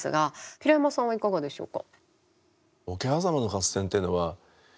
平山さんはいかがでしょうか。